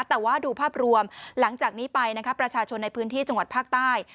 แต่ว่าดูภาพรวมหลังจากนี้ไปนะครับประชาชนในพื้นที่จังหวัดภาคใต้